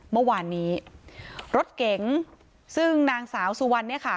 เมื่อวานนี้รถเก๋งซึ่งนางสาวสุวรรณเนี่ยค่ะ